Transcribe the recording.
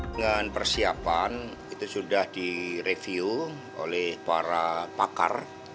dengan persiapan itu sudah direview oleh para pakar